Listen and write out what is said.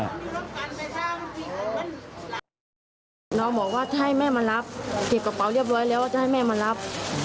น้องบอกว่าให้แม่มารับเก็บกระเป๋าเรียบร้อยแล้วจะให้แม่มารับ